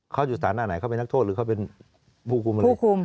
เขาอยู่สถานะไหนเขาเป็นนักโทษหรือเขาเป็นผู้คุมอะไร